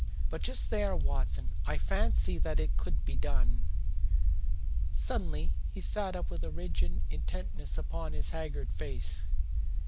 But just there, Watson, I fancy that it could be done." Suddenly he sat up with a rigid intentness upon his haggard face.